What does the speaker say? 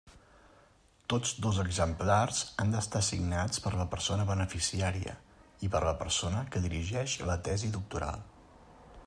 Tots dos exemplars han d'estar signats per la persona beneficiària i per la persona que dirigeix la tesi doctoral.